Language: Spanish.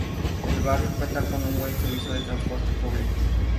El barrio cuenta con un buen servicio de transporte público.